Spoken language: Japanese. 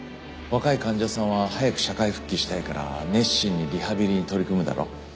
若い患者さんは早く社会復帰したいから熱心にリハビリに取り組むだろ？